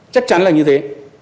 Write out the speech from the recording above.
chắc chắn là như thế